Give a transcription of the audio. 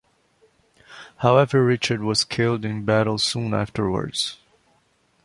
However Richard was killed in battle soon afterwards.